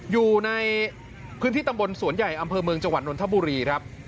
อยู่ในพื้นที่ตำบลสวนใหญ่อำเภอเมืองจังหวัดนทบุรีครับ